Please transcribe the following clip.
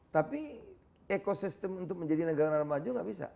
tapi ekosistem untuk menjadi negara maju nggak bisa